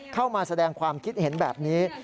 เข้ามาแสดงความคิดเห็นแบบนี้